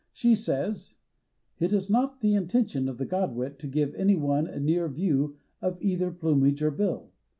She says: "It is not the intention of the Godwit to give anyone a near view of either plumage or bill.